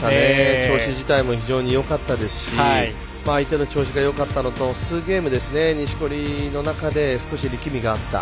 調子自体も非常によかったですし相手の調子がよかったのと数ゲーム、錦織の中で少し力みがあった。